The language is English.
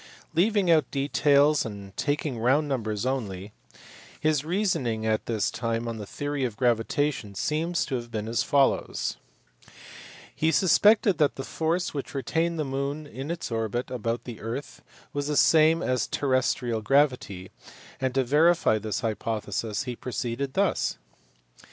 Leaving out details and taking round numbers only, his B. 21 322 THE LIFE AND WORKS OF NEWTON. reasoning at this time on the theory of gravitation seems to have been as follows. He suspected that the force which retained the moon in its orbit about the earth was the same as terrestrial gravity, and to verify this hypothesis he proceeded thus.